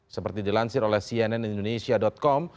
seperti dilansir oleh cnn indonesia com